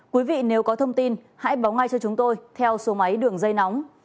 quý vị nếu có thông tin hãy báo ngay cho chúng tôi theo số máy đường dây nóng